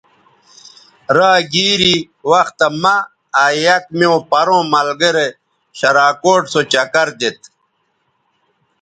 را گیری وختہ مہ آ یک میوں پروں ملگرے شراکوٹ سو چکر دیتھ